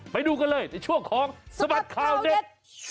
ไปดูกันเลยในช่วงของสบัดข่าวเด็ด